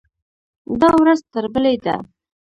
دا ورځ تر بلې ده.